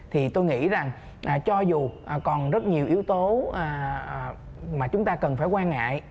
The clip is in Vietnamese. thì tôi nghĩ rằng cho dù còn rất nhiều yếu tố mà chúng ta cần phải quan ngại